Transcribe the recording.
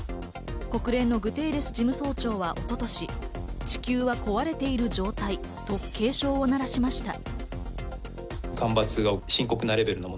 国連のグテーレス事務総長は一昨年、地球が壊れている状態と警鐘を鳴らしました。